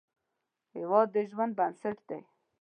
هیواد د ژوند بنسټ دی